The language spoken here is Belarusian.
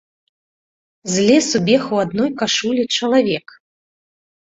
З лесу бег у адной кашулі чалавек.